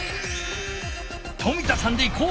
冨田さんでいこう！